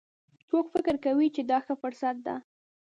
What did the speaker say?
څوک فکر کوي چې دا ښه فرصت ده